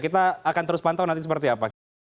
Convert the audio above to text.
kita akan terus pantau nanti seperti apa